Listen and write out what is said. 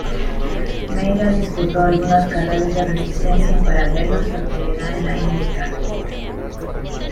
Meira disputó algunas carreras de resistencia en paralelo a su actividad en la IndyCar.